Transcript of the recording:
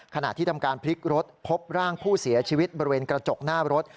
ขณะที่ทำการพลิกรถพบร่างผู้เสียชีวิตบริเวณกระจกหน้ารถ